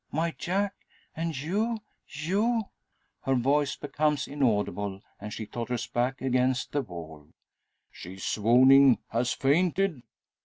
My Jack! And you you " Her voice becomes inaudible, and she totters back against the wall! "She's swooning has fainted!"